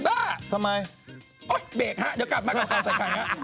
เบรกฮะเดี๋ยวกลับมาก่อน